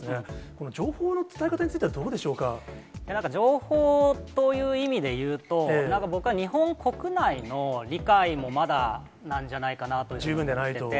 この情報の伝え方についてはどう情報という意味でいうと、なんか僕は、日本国内の理解もまだなんじゃないかなと思ってて。